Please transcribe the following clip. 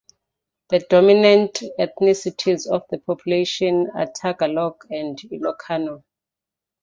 The dominant ethnicities of the population are Tagalog and Ilocano.